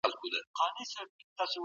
ابن خلدون خپل مشهور کتاب لیکلی و.